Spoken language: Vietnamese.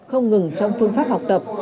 không ngừng trong phương pháp học tập